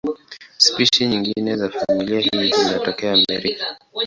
Spishi nyingine za familia hii zinatokea Amerika.